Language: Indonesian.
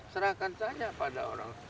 serahkan saja pada orang